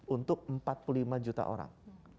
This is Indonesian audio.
untuk empat puluh lima juta orang